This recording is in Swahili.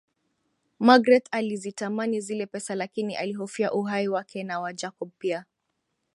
Magreth alizitamani zile pesa lakini alihofia uhai wake na wa Jacob pia